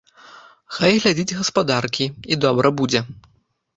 Хай глядзіць гаспадаркі, і добра будзе.